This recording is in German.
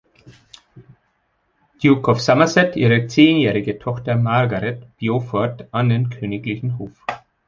Duke of Somerset ihre zehnjährige Tochter Margaret Beaufort an den königlichen Hof.